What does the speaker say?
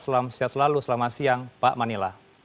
selamat siang selalu selamat siang pak manila